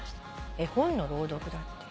絵本の朗読だって。